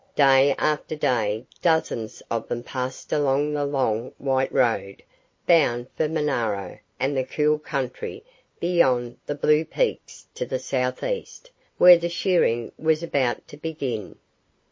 Day after day dozens of them passed along the long white road, bound for Monaro and the cool country beyond the blue peaks to the southeast, where the shearing was about to begin.